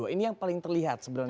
ini yang paling terlihat sebenarnya